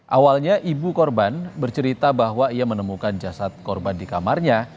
awalnya ibu korban bercerita bahwa ia menemukan jasad korban di kamarnya